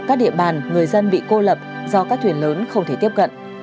các địa bàn người dân bị cô lập do các thuyền lớn không thể tiếp cận